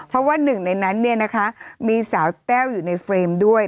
เพราะว่าหนึ่งในนั้นเนี่ยนะคะมีสาวแต้วอยู่ในเฟรมด้วย